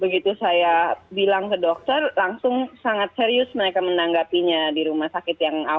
begitu saya bilang ke dokter langsung sangat serius mereka menanggapinya di rumah sakit yang awal